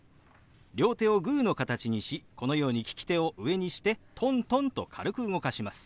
両手をグーの形にしこのように利き手を上にしてトントンと軽く動かします。